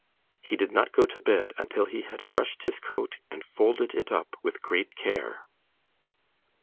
He did not go to bed until he had brushed his coat and folded it up with great care.